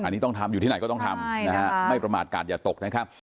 อันนี้ต้องทำอยู่ที่ไหนก็ต้องทำนะฮะไม่ประมาทกาศอย่าตกนะครับ